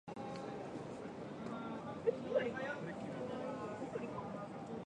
最近のおすすめマンガはなに？